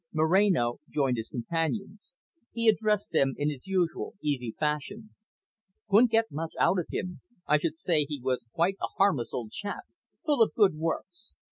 Moreno joined his companions. He addressed them in his usual easy fashion. "Couldn't get much out of him. I should say he was quite a harmless old chap, full of good works.